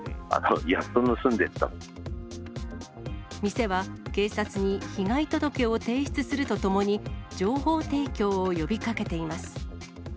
店は警察に、被害届を提出するとともに、情報提供を呼びかけています。